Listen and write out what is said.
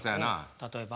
例えば？